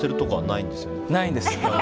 ないです。